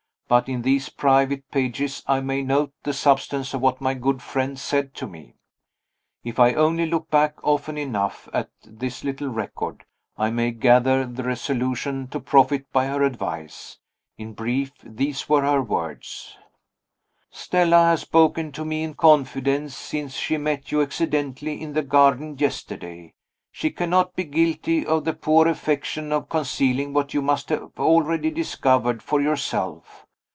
But in these private pages I may note the substance of what my good friend said to me. If I only look back often enough at this little record, I may gather the resolution to profit by her advice. In brief, these were her words: "Stella has spoken to me in confidence, since she met you accidentally in the garden yesterday. She cannot be guilty of the poor affectation of concealing what you must have already discovered for yourself.